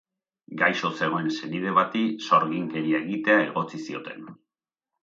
Gaixo zegoen senide bati sorginkeria egitea egotzi zioten.